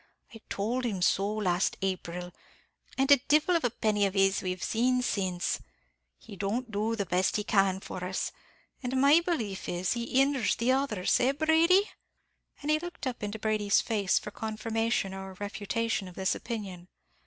I told him so last April, and divil a penny of his we've seen since; he don't do the best he can for us; and my belief is, he hinders the others; eh, Brady?" and he looked up into Brady's face for confirmation or refutation of this opinion.